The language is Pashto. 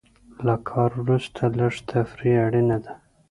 له کار وروسته لږه تفریح اړینه ده.